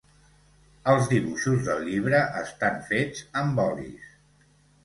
Els dibuixos del llibre estan fets amb olis.